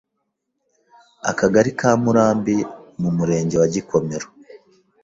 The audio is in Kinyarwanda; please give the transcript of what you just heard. akagali ka Murambi mu murenge wa Gikomero,